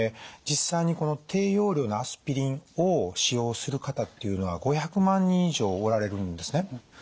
実際に低用量のアスピリンを使用する方っていうのは５００万人以上おられるんですね。